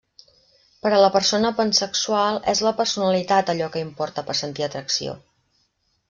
Per a la persona pansexual, és la personalitat allò que importa per sentir atracció.